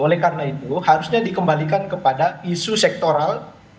oleh karena itu harusnya dikembalikan kepada isu sektoral